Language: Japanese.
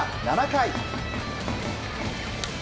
７回。